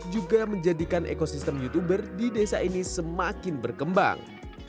juga menjadikan ekosistem youtuber di desa ini semakin berkembang